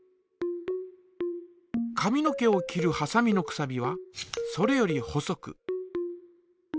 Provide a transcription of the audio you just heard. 髪の毛を切るはさみのくさびはそれより細く。